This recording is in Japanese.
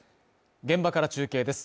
現場から中継です。